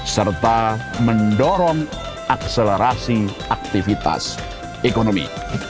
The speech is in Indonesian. serta mendorong akselerasi aktivitas ekonomi